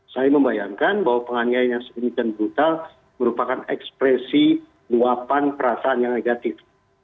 saya membayangkan bahwa penganiayaan yang sedemikian brutal merupakan ekspresi luapan perasaan yang negatif